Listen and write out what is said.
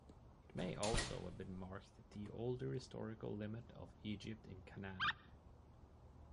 It may also have marked the older historical limit of Egypt in Canaan.